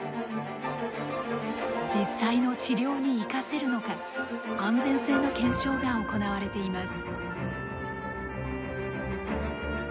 実際の治療に生かせるのか安全性の検証が行われています。